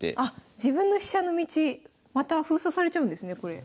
自分の飛車の道また封鎖されちゃうんですねこれ。